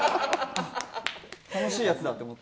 楽しいやつだと思って。